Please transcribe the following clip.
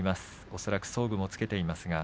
恐らく装具をつけています。